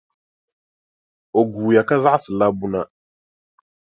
O guuya ka zaɣisi labbu na.